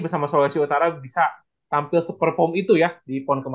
gimana switch sudah tak mau segala yang